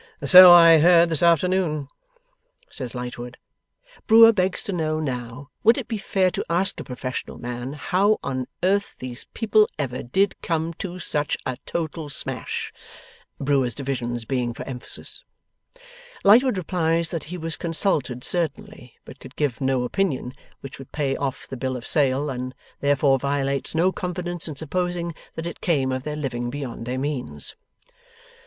'So I heard this afternoon,' says Lightwood. Brewer begs to know now, would it be fair to ask a professional man how on earth these people ever did come TO such A total smash? (Brewer's divisions being for emphasis.) Lightwood replies that he was consulted certainly, but could give no opinion which would pay off the Bill of Sale, and therefore violates no confidence in supposing that it came of their living beyond their means.